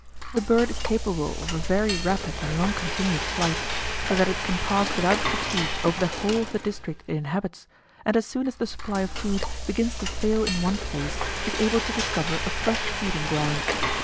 The bird is capable of a very rapid and long continued flight, so that it can pass without fatigue over the whole of the district it inhabits, and as soon as the supply of food begins to fail in one place is able to discover a fresh feeding ground.